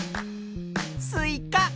スイカ。